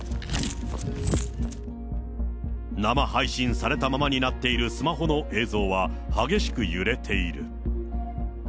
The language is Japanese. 生配信されたままになっているスマホの映像は、激しく揺れている。